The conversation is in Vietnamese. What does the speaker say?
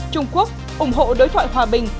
trung quốc ủng hộ đối thoại hòa bình